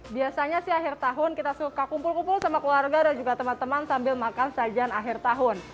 biasanya sih akhir tahun kita suka kumpul kumpul sama keluarga dan juga teman teman sambil makan sajian akhir tahun